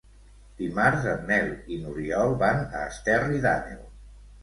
Dimarts en Nel i n'Oriol van a Esterri d'Àneu.